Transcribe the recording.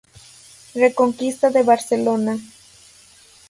Reconquista de Barcelona.